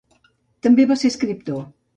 També va ser escriptor.